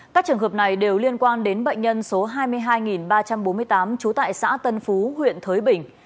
các trường hợp này đều liên quan đến bệnh nhân số hai mươi hai ba trăm bốn mươi tám trú tại xã tân phú huyện thới bình